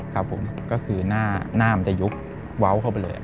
ครับผมก็คือหน้ามันจะยุบเว้าเข้าไปเลย